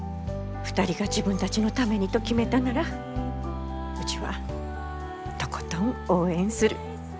２人が自分たちのためにと決めたならうちはとことん応援する。